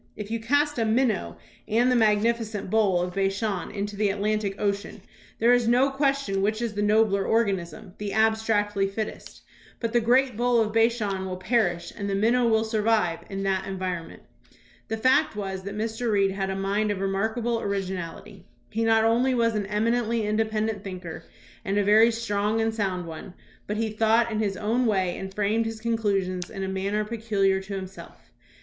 If you cast a minnow and the magnificent bull THOMAS BRACKETT REED 205 of Bashan into the Atlantic Ocean, there is no question which is the nobler organism, the abstractly fittest, but the great bull of Bashan will perish and the minnow will survive in that en vironment. The fact was that Mr. Reed had a mind of remark able originality. He not only was an eminently in dependent thinker and a very strong and sound one, but he thought in his own way and framed his con clusions in a manner peculiar to himself.